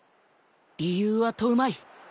理由は問うまい。